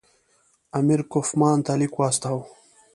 امیر کوفمان ته لیک واستاوه.